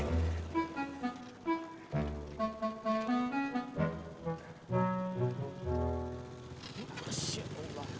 sini bang gue bantu lo